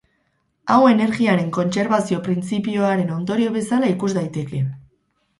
Hau energiaren kontserbazio printzipioaren ondorio bezala ikus daiteke.